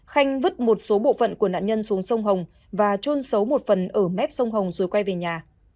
khanh vứt một số bộ phận của nạn nhân xuống sông hồng và trôn xấu một phần ở mép sông hồng rồi quay về nhà